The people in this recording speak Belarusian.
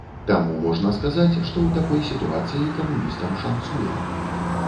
Таму можна сказаць, што ў такой сітуацыі камуністам шанцуе.